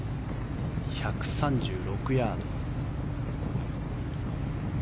１３６ヤード。